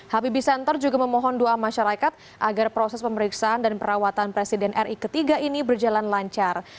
habibie center juga memohon doa masyarakat agar proses pemeriksaan dan perawatan presiden ri ketiga ini berjalan lancar